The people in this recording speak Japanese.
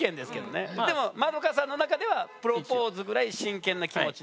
でも円さんの中ではプロポーズぐらい真剣な気持ちで。